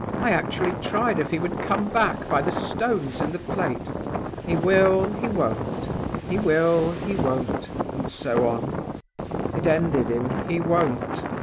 I actually tried if he would come back by the stones in the plate! He will, he won't, he will, he won't and so on. It ended in 'He won't.